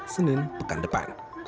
senin pekan depan